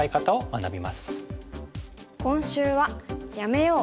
今週は「やめよう！